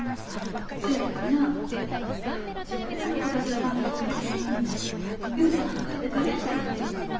そやけどな自分らのことすら満足にでけへんのに雄太抱えてどないしてやっていくんや。